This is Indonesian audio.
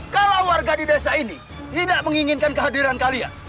kalau warga di desa ini tidak menginginkan kehadiran kalian